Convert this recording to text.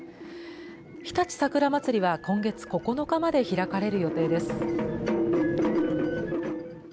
日立さくらまつりは今月９日まで開かれる予定です。